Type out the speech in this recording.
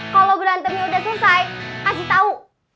kalo berantemnya udah selesai kasih tau